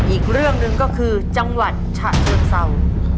อีกเรื่องหนึ่งก็คือจังหวัดฉะเชิงเศร้า